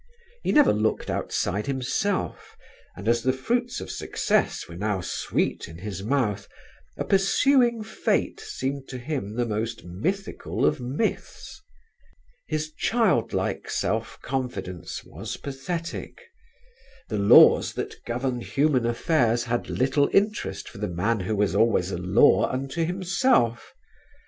He never looked outside himself, and as the fruits of success were now sweet in his mouth, a pursuing Fate seemed to him the most mythical of myths. His child like self confidence was pathetic. The laws that govern human affairs had little interest for the man who was always a law unto himself.